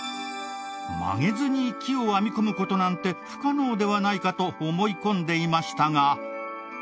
曲げずに木を編み込む事なんて不可能ではないかと思い込んでいましたが。